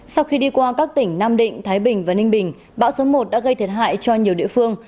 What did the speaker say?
sau khi đi qua các tỉnh nam định thái bình và ninh bình bão số một đã gây thiệt hại cho nhiều địa phương